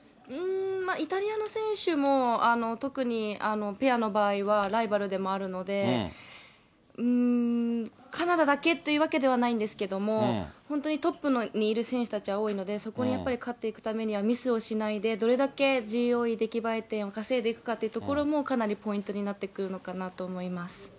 イタリアの選手も、特にペアの場合は、ライバルでもあるので、カナダだけというわけではないんですけれども、本当にトップにいる選手たちは多いので、そこにやっぱり勝っていくためには、ミスをしないで、どれだけＧＯＥ・出来栄え点を稼いでいくかというところも、かなりポイントになっていくのかなと思います。